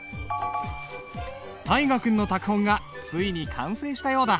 大河君の拓本がついに完成したようだ。